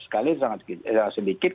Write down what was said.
sekali sangat sedikit